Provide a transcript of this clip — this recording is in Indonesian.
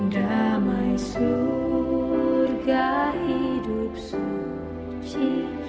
damai surga hidup suci